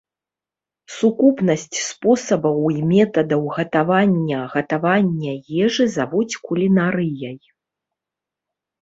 Сукупнасць спосабаў і метадаў гатавання гатавання ежы завуць кулінарыяй.